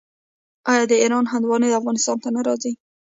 آیا د ایران هندواڼې افغانستان ته نه راځي؟